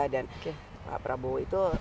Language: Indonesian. dan pak prabowo itu